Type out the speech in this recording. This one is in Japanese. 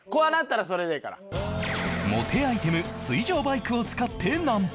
モテアイテム水上バイクを使ってナンパ